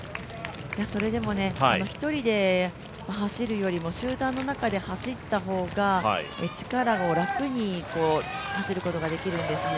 それでも一人で走るよりも集団の中で走った方が力を楽に走ることができるんですね。